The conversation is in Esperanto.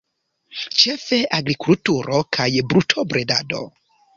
Ĉefe agrikulturo kaj brutobredado.